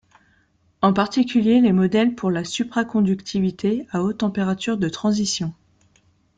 En particulier les modèles pour la supraconductivité à haute température de transition.